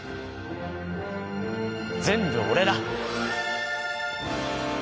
全部俺だ